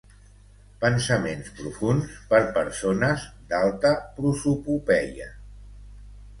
pensaments profunds per persones d'alta prosopopeia